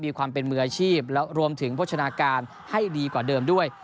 มีความเป็นมืออาชีพแล้วรวมถึงโภชนาการให้ดีกว่าเดิมด้วย